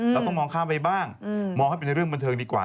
เราต้องมองข้ามไปบ้างมองให้เป็นในเรื่องบันเทิงดีกว่า